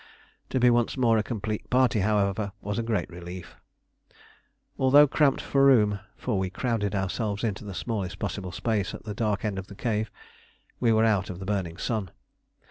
To be once more a complete party, however, was a great relief. Although cramped for room for we crowded ourselves into the smallest possible space at the dark end of the cave we were out of the burning sun.